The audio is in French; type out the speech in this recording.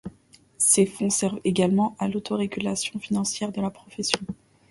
Ces fonds servent également à l'autorégulation financière de la profession.